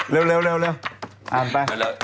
เร็วอ่านไป